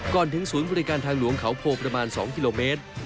ก่อนถึงศูนย์บริการทางหลวงเขาโพประมาณ๒กิโลเมตร